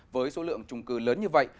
với số lượng trung cư lớn như vậy